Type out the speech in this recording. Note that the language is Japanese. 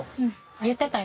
言ってたよ。